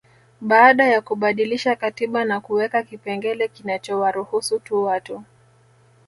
Baada ya kubadilisha katiba na kuweka kipengele kinachowaruhusu tu watu